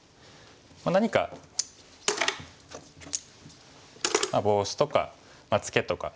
何かボウシとかツケとか。